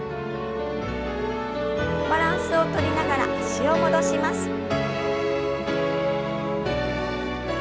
バランスをとりながら脚を戻します。